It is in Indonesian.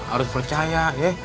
harus percaya ya